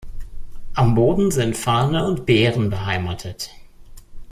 Am Boden sind Farne und Beeren beheimatet.